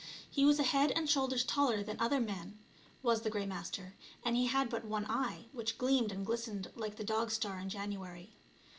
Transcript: He was a head and shoulders taller than other men, was the Grey Master, and he had but one eye, which gleamed and glistened like the dog star in January.